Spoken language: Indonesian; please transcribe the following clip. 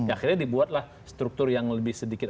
akhirnya dibuatlah struktur yang lebih sedikit